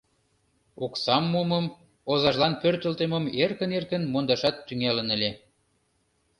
Оксам мумым, озажлан пӧртылтымым эркын-эркын мондашат тӱҥалын ыле.